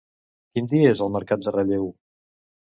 Quin dia és el mercat de Relleu?